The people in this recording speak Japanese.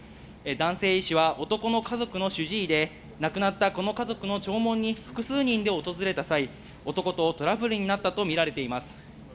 男性医師は男の家族の主治医で亡くなったこの家族の弔問に複数人で訪れた際、男とトラブルになったとみられています。